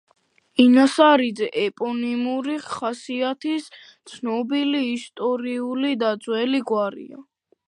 ინასარიძე ეპონიმური ხასიათის ცნობილი ისტორიული და ძველი გვარია.